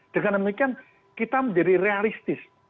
dengan demikian kita menjadi realistis